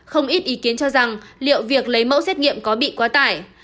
không ít ý kiến cho rằng liệu việc lấy mẫu xét nghiệm có bị quá tải